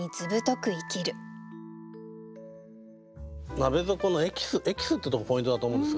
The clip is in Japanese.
鍋底のエキス「エキス」ってとこポイントだと思うんですよね。